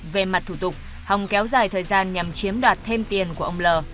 về mặt thủ tục hồng kéo dài thời gian nhằm chiếm đoạt thêm tiền của ông l